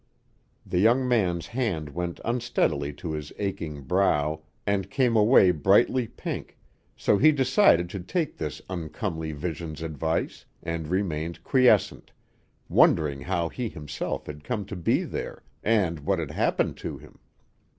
The young man's hand went unsteadily to his aching brow and came away brightly pink, so he decided to take this uncomely vision's advice, and remained quiescent, wondering how he himself had come to be there, and what had happened to him.